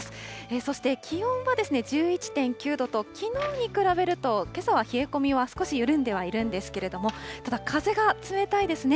そして気温は１１．９度と、きのうに比べるとけさは冷え込みは少し緩んではいるんですけれども、ただ風が冷たいですね。